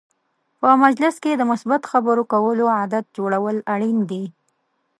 په مجلس کې د مثبت خبرو کولو عادت جوړول اړین دي.